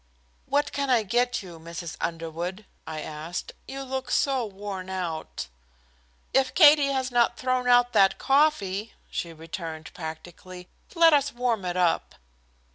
"What can I get you, Mrs. Underwood?" I asked. "You look so worn out." "If Katie has not thrown out that coffee," she returned practically, "let us warm it up."